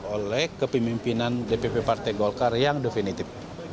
oleh kepemimpinan dpp partai golkar yang definitif